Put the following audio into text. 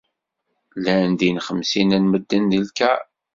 Llan din xemsin n medden deg lkar.